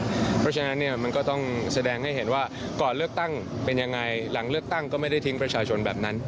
เพราะฉะนั้นมันก็ต้องแสดงให้เห็นว่าก่อนเลือกตั้งเป็นยังไงหลังเลือกตั้งก็ไม่ได้ทิ้งประชาชนแบบนั้น